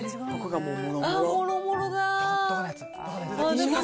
もろもろだー。